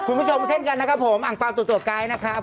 คุณผู้ชมเช่นกันอังเปล่าตัวกายนะครับ